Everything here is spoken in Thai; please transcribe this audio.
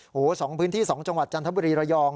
โอ้โห๒พื้นที่๒จังหวัดจันทบุรีระยอง